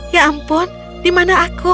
ya ampun dimana aku